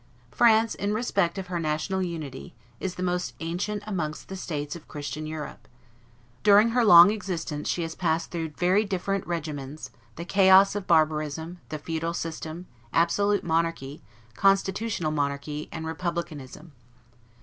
France, in respect of her national unity, is the most ancient amongst the states of Christian Europe. During her long existence she has passed through very different regimens, the chaos of barbarism, the feudal system, absolute monarchy, constitutional monarchy, and republicanism.